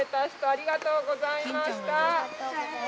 ありがとうございます。